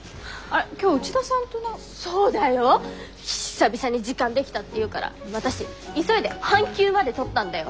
久々に時間できたっていうから私急いで半休まで取ったんだよ？